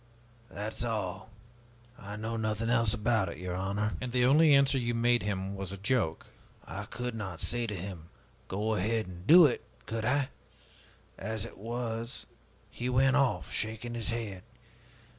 That is all. I know nothing else about it, your honor!" "And the only answer you made him was a joke?" "I could not say to him, 'Go ahead and do it,' could I? As it was he went off, shaking his head.